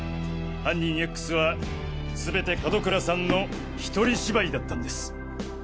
犯人Ｘは全て門倉さんの一人芝居だったんです。